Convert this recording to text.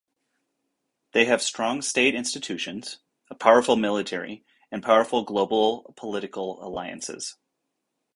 They have strong state institutions, a powerful military and powerful global political alliances.